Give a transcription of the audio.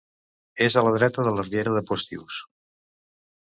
És a la dreta de la Riera de Postius.